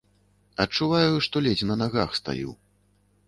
Адчуваю, што ледзь на нагах стаю.